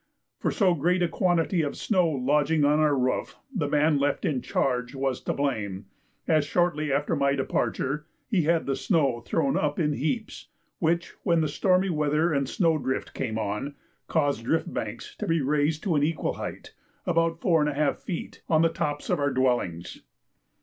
For so great a quantity of snow lodging on our roof, the man left in charge was to blame, as shortly after my departure he had the snow thrown up in heaps, which, when the stormy weather and snow drift came on, caused drift banks to be raised to an equal height (about 4½ feet) on the tops of our dwellings.